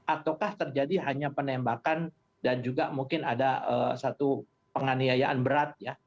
ataukah terjadi hanya penembakan dan juga mungkin ada satu penganiayaan berat ya